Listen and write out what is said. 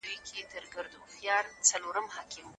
د مرکز او سيمو توازن يې ساته.